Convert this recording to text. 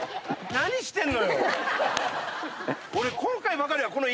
何してんの？